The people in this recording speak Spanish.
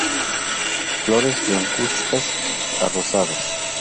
Flores blancuzcas a rosadas.